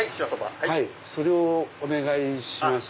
それをお願いします。